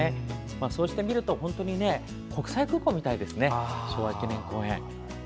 そうして見ると、国際空港ですね昭和記念公園。